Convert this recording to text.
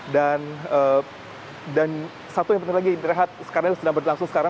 dan satu yang penting lagi karena sedang berlangsung sekarang